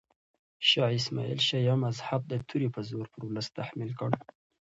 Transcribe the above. شاه اسماعیل شیعه مذهب د تورې په زور پر ولس تحمیل کړ.